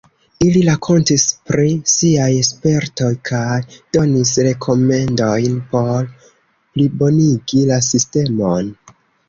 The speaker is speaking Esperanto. Ili rakontis pri siaj spertoj kaj donis rekomendojn por plibonigi la sistemon.